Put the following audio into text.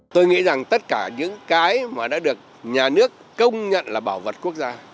tôi nghĩ rằng tất cả những cái mà đã được nhà nước công nhận là bảo vật quốc gia